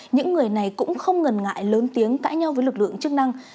những người này cũng không ngần ngại lớn tiếng cãi nhau với lực lượng chức năng